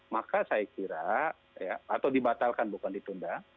maka saya kira ya atau dibatalkan bukan ditunda